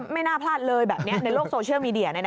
ไม่น่าพลาดเลยแบบนี้ในโลกโซเชียลมีเดีย